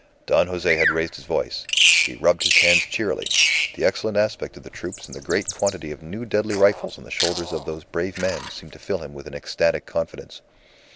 Don Jose had raised his voice. He rubbed his hands cheerily. The excellent aspect of the troops and the great quantity of new deadly rifles on the shoulders of those brave men seemed to fill him with an ecstatic confidence.